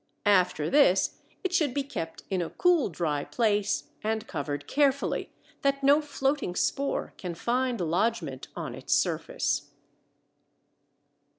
After this it should be kept in a cool, dry place and covered carefully that no floating spore can find lodgment on its surface.